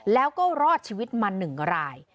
แล้วก็รอดชีวิตมา๑ราย